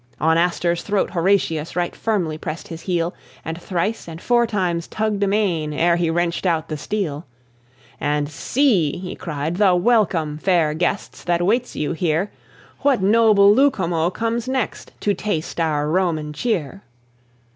On Astur's throat Horatius Right firmly pressed his heel, And thrice and four times tugged amain Ere he wrenched out the steel. "And see," he cried, "the welcome, Fair guests, that waits you here! What noble Lucumo comes next To taste our Roman cheer?"